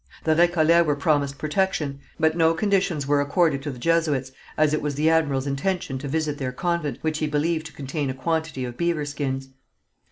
The Récollets were promised protection, but no conditions were accorded to the Jesuits, as it was the admiral's intention to visit their convent, which he believed to contain a quantity of beaver skins.